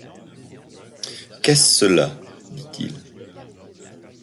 Qu’est-ce cela ? dit-il.